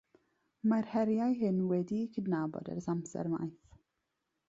Mae'r heriau hyn wedi'u cydnabod ers amser maith.